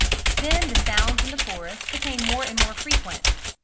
Then the sounds in the forest became more and more frequent.